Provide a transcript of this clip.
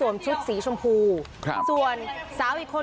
มึงปล่อย